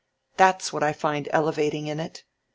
That's what I find elevating in it.